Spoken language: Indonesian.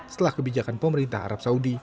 setelah kebijakan pemerintah arab saudi